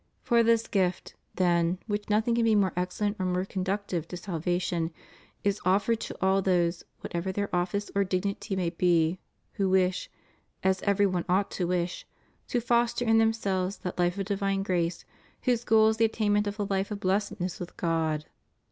For this gift, than which nothing can be more excellent or more conductive to salvation, is offered to all those, whatever their office or dignity may be, who wish — as every one ought to wish — to foster in themselves that Ufe of divine grace whose goal is the attainment of the life of blessedness with God.